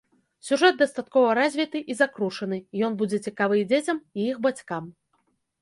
Сюжэт дастаткова развіты і закручаны, ён будзе цікавы і дзецям, і іх бацькам.